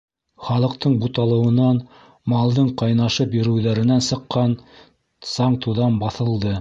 Халыҡтың буталыуынан, малдың ҡайнашып йөрөүҙәренән сыҡҡан саң-туҙан баҫылды.